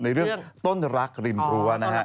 ในเรื่องต้นรักริมรัว